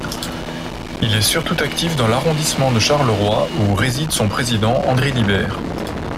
Il est surtout actif dans l'arrondissement de Charleroi où réside son président André Libert.